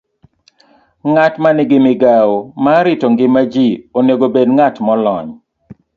Ng'at ma nigi migawo mar rito ngima ji onego obed ng'at molony